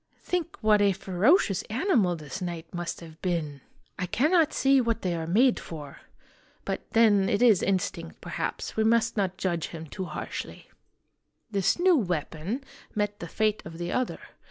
Think what a ferocious animal this knight must have been ! I cannot see what they are 34 IMAGINOTIONS made for. But, then, it is instinct, perhaps ; we must not judge him too harshly. "This new weapon met the fate of the other.